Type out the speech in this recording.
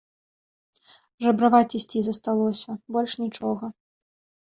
Жабраваць ісці засталося, больш нічога.